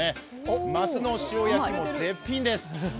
ますの塩焼きも絶品です。